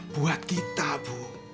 buat kita bu